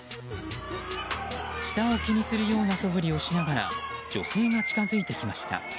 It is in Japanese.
下を気にするようなそぶりをしながら女性が近づいてきました。